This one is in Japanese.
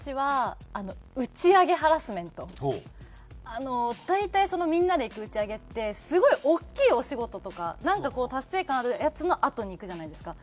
あの大体みんなで行く打ち上げってすごい大きいお仕事とかなんかこう達成感あるやつのあとに行くじゃないですか。